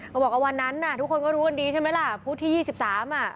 บอกว่าวันนั้นน่ะทุกคนก็รู้กันดีใช่ไหมล่ะพุธที่๒๓อ่ะ